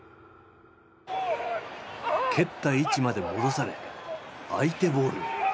蹴った位置まで戻され相手ボールに。